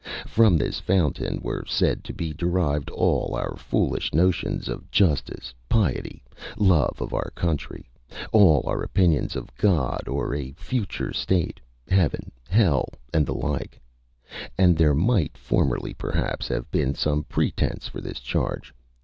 From this fountain were said to be derived all our foolish notions of justice, piety, love of our country; all our opinions of God or a future state, heaven, hell, and the like; and there might formerly perhaps have been some pretence for this charge.